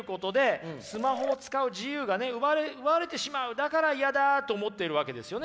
だから嫌だと思ってるわけですよね